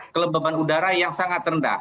kelembaban udara yang sangat rendah